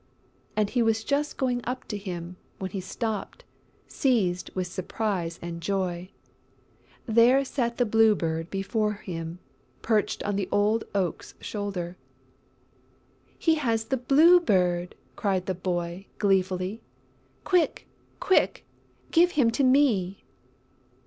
And he was just going up to him, when he stopped, seized with surprise and joy: there sat the Blue Bird before him, perched on the old Oak's shoulder. "He has the Blue Bird!" cried the boy, gleefully. "Quick! Quick! Give him to me!"